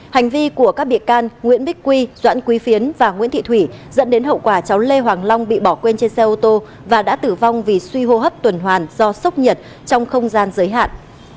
hành vi của các bị can nguyễn bích quy doãn quý phiến và nguyễn thị thủy dẫn đến hậu quả cháu lê hoàng long bị bỏ quên trên xe ô tô và đã tử vong vì suy hô hấp tuần hoàn do sốc nhiệt trong không gian giới hạn